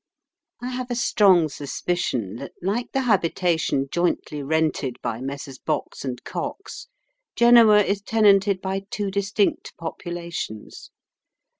I have a strong suspicion that, like the habitation jointly rented by Messrs. Box and Cox, Genoa is tenanted by two distinct populations.